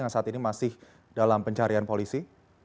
yang saat ini masih dalam pencarian polisi